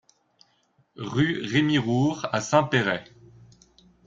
Rue Rémy Roure à Saint-Péray